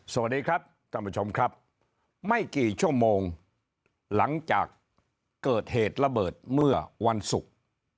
สวัสดีครับท่านผู้ชมครับไม่กี่ชั่วโมงหลังจากเกิดเหตุระเบิดเมื่อวันศุกร์